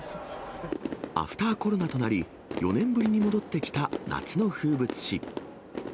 アフターコロナとなり、４年ぶりに戻ってきた夏の風物詩。